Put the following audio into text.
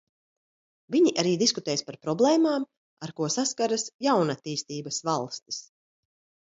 Viņi arī diskutēs par problēmām, ar ko saskaras jaunattīstības valstis.